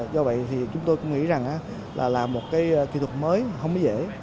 do vậy thì chúng tôi cũng nghĩ rằng là làm một kỹ thuật mới không dễ